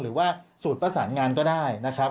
หรือว่าสูตรประสานงานก็ได้นะครับ